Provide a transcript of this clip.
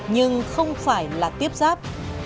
nhưng không phải là tiếp sát